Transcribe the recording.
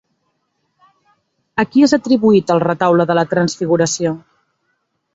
A qui és atribuït el Retaule de la Transfiguració?